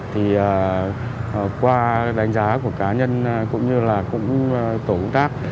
thì qua đánh giá của cá nhân cũng như là tổ quốc tác